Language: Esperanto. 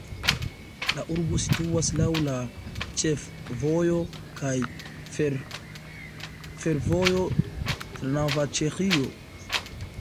La urbo situas laŭ la ĉefvojo kaj fervojo Trnava-Ĉeĥio.